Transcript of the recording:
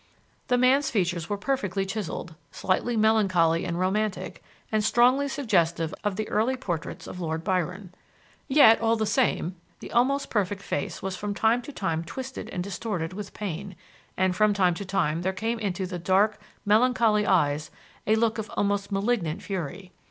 The man's features were perfectly chiselled, slightly melancholy and romantic, and strongly suggestive of the early portraits of Lord Byron. Yet, all the same, the almost perfect face was from time to time twisted and distorted with pain, and from time to time there came into the dark, melancholy eyes a look of almost malignant fury.